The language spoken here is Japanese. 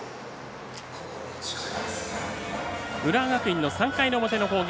浦和学院の３回の表の攻撃。